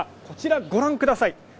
こちらご覧ください。